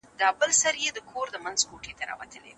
د سند رود د مهاراجا په کنټرول کي دی.